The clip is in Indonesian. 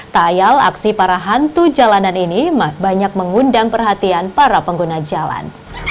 tayal aksi para hantu jalanan ini banyak mengundang perhatian para pengguna jalan